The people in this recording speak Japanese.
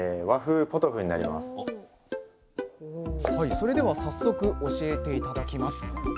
それでは早速教えて頂きます。